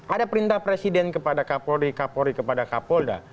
ada perintah presiden kepada kapolri kapolri kepada kapolda